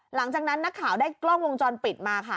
หลังจากนั้นนักข่าวได้กล้องวงจรปิดมาค่ะ